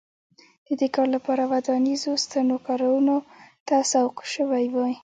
د دې کار لپاره ودانیزو ستنو کارونو ته سوق شوي وای